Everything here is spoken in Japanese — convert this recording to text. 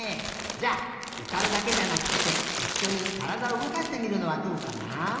じゃあうたうだけじゃなくっていっしょにからだうごかしてみるのはどうかな。